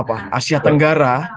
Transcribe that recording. apa asia tenggara